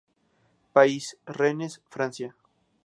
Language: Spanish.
País: Rennes, Francia.